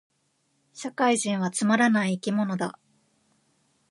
社会人はつまらない生き物だ